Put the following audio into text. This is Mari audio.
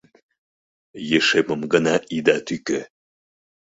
Ешемым гына ида тӱкӧ».